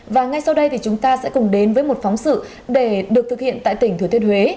và ngay sau đây thì chúng ta sẽ cùng đến với một phóng sự để được thực hiện tại tỉnh thừa thiên huế